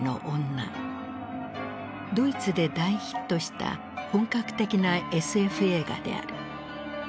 ドイツで大ヒットした本格的なＳＦ映画である。